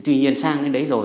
tuy nhiên sang đến đấy rồi